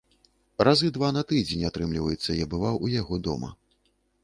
Разы два на тыдзень, атрымліваецца, я бываў у яго дома.